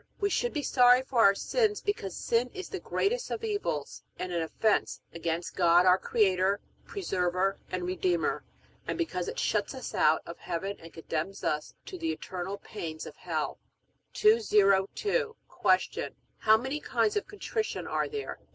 We should be sorry for our sins, because sin is the greatest of evils and an offense against God our Creator, Preserver, and Redeemer, and because it shuts us out of heaven and condemns us to the eternal pains of hell. 202. Q. How many kinds of contrition are there?